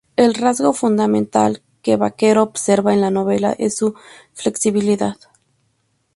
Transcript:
El rasgo fundamental que Baquero observa en la novela es su flexibilidad.